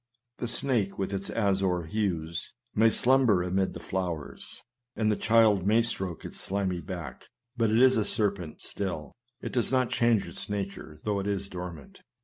The snake with its azure hues, may slumber amid the flowers, and the child may stroke its slimy back, but it is a ser pent still ; it does not change its nature, though it is dormant.